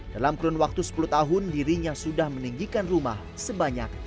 dalam kurun waktu sepuluh tahun dirinya sudah meninggikan rumah sebanyak